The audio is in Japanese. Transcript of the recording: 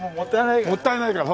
もったいないから。